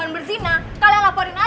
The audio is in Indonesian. bersama bu ima